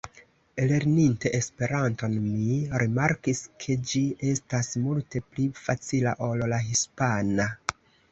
Lerninte Esperanton mi rimarkis, ke ĝi estas multe pli facila ol la hispana.